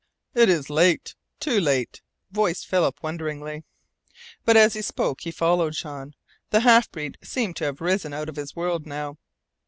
"It is late too late," voiced Philip wonderingly. But as he spoke he followed Jean. The half breed seemed to have risen out of his world now.